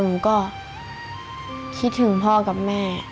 หนูก็คิดถึงพ่อกับแม่